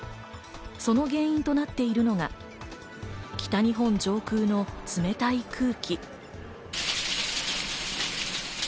その原因となっているのが北日本上空の冷たい空気。